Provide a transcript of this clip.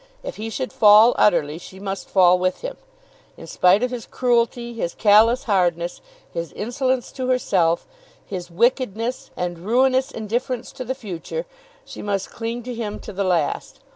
If he should fall utterly, she must fall with him. In spite of his cruelty, his callous hardness, his insolence to herself, his wickedness and ruinous indifference to the future, she must cling to him to the last.